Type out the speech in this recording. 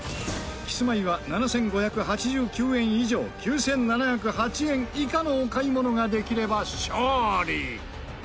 キスマイは７５８９円以上９７０８円以下のお買い物ができれば勝利。